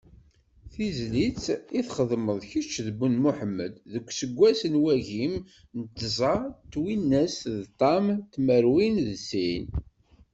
Tizlit i txedmem kečč d Ben Muḥemmed deg useggas n wagim d tẓa twinas d ṭam tmerwin d sin?